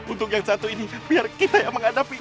untuk yang satu ini biar kita yang menghadapi